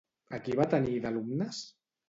A qui va tenir d'alumnes?